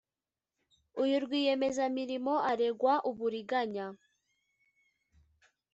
uyu rwiyemezamirimo aregwa uburiganya